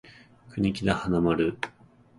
国木田花丸